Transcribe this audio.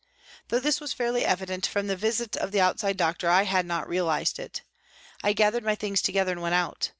Though this was fairly evident from the visit of the outside doctor, I had not realised it. I gathered my things together and went out.